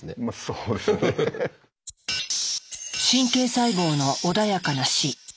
「神経細胞の穏やかな死」。